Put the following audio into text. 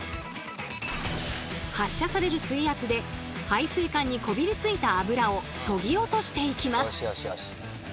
発射される水圧で排水管にこびりついたあぶらをそぎ落としていきます。